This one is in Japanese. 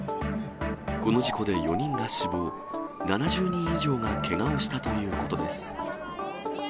この事故で４人が死亡、７０人以上がけがをしたということです。